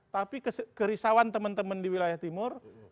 tapi kerisauan teman teman di wilayah timur